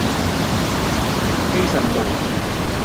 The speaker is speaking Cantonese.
希慎道